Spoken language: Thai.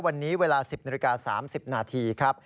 วันนี้เวลา๑๐นาฬิกา๓๐นาทีครับ